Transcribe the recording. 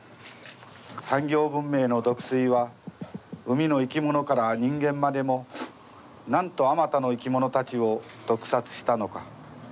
産業文明の毒水は海の生き物から人間までもなんと数多の生き物たちを毒殺したのか。